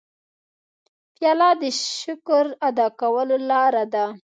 پیاله د شکر ادا کولو لاره ده.